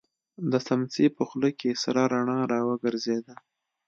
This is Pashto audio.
د سمڅې په خوله کې سره رڼا را وګرځېده.